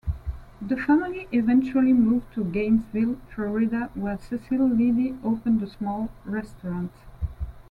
The family eventually moved to Gainesville, Florida where Cecil Leedy opened a small restaurant.